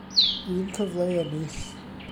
Un cyfle i ennill.